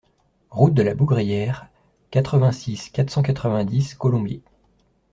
Route de la Bougrière, quatre-vingt-six, quatre cent quatre-vingt-dix Colombiers